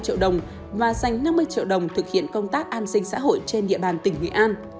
anh h đã tặng điểm bán vé trung tâm và dành năm mươi triệu đồng thực hiện công tác an sinh xã hội trên địa bàn tỉnh nghệ an